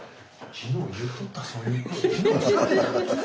昨日言うとったそういえば。